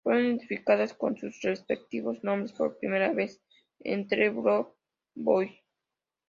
Fueron identificadas con sus respectivos nombres por primera vez en "The Blood-Clot Boy".